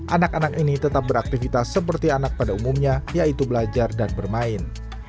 anak anak ini tetap beraktivitas seperti anak pada umumnya yaitu belajar dan bermain